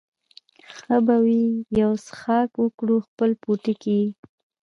ښه به وي چې یو څښاک وکړو، خپل پوټکی یې.